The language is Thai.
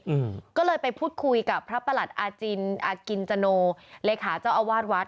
อืมก็เลยไปพูดคุยกับพระประหลัดอาจินอากินจโนเลขาเจ้าอาวาสวัด